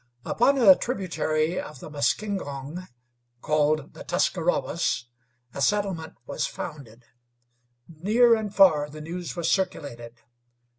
Upon a tributary of the Muskingong, called the Tuscarwawas, a settlement was founded. Near and far the news was circulated.